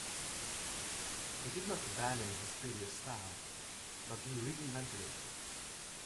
He did not abandon his previous style but he reinvented it.